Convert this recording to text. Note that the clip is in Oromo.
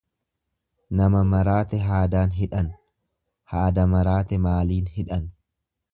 Nama maraate haadaan hidhan, haada maraate maaliin hidhan?